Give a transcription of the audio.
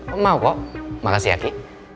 oh mau kok makasih eki